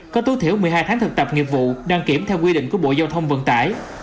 có tối thiểu một mươi hai tháng thực tập nghiệp vụ đăng kiểm theo quy định của bộ giao thông vận tải